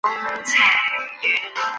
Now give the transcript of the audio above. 陵墓位于庆州市拜洞。